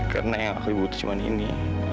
karena yang aku butuh cuma ini